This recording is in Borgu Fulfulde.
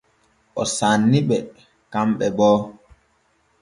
O sanni ɓe kanɓe bo.